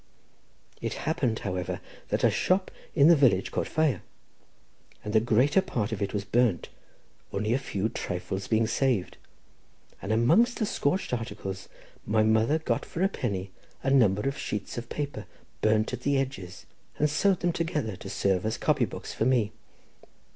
It happened, however, that a shop in the village caught fire, and the greater part of it was burnt, only a few trifles being saved, and amongst the scorched articles my mother got for a penny a number of sheets of paper burnt at the edges, and sewed them together to serve as copybooks for me.